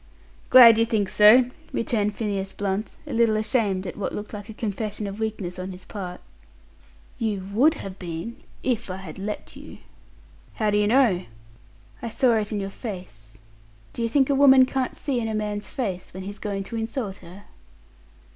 "Glad you think so!" returned Phineas Blunt, a little ashamed at what looked like a confession of weakness on his part. "You would have been if I had let you." "How do you know?" "I saw it in your face. Do you think a woman can't see in a man's face when he's going to insult her?"